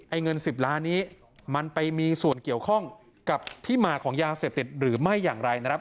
เงิน๑๐ล้านนี้มันไปมีส่วนเกี่ยวข้องกับที่มาของยาเสพติดหรือไม่อย่างไรนะครับ